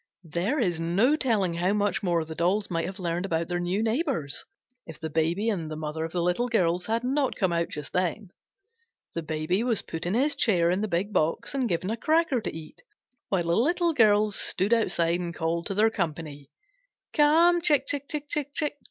There is no telling how much more the dolls might have learned about their new neighbors, if the Baby and the mother of the Little Girls had not come out just then. The Baby was put in his chair in the big box and given a cracker to eat, while the Little Girls stood outside and called to their company. "Come, Chick, Chick, Chick!"